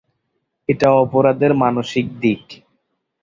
এটা অপরাধের মানসিক দিক।